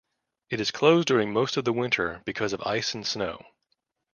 It is closed during most of the winter because of ice and snow.